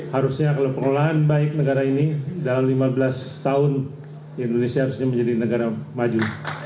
harusnya kalau pengolahan baik negara ini dalam lima belas tahun indonesia harusnya menjadi negara maju